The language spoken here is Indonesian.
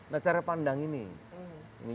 nah cara pandang ini